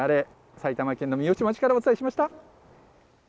埼玉県の三芳町からお伝えしました。